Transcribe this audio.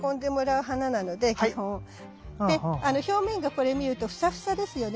で表面がこれ見るとフサフサですよね。